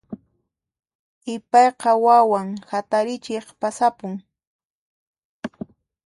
Ipayqa wawan hatarichiq pasapun.